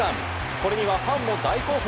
これにはファンも大興奮。